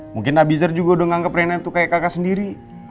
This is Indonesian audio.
mungkin abizar juga udah nganggep reina tuh kayak kakak sendiri